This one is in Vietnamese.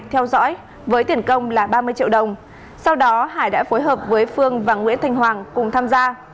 theo dõi với tiền công là ba mươi triệu đồng sau đó hải đã phối hợp với phương và nguyễn thành hoàng cùng tham gia